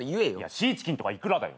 シーチキンとかイクラだよ。